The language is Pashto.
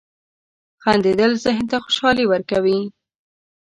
• خندېدل ذهن ته خوشحالي ورکوي.